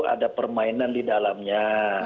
ada permainan di dalamnya